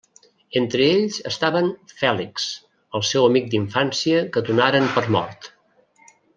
Entre ells estaven Fèlix, el seu amic d'infància que donaren per mort.